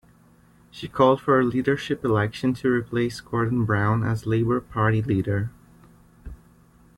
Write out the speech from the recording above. She called for a leadership election to replace Gordon Brown as Labour Party leader.